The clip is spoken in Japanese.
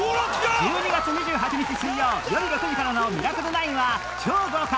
１２月２８日水曜よる６時からの『ミラクル９』は超豪華！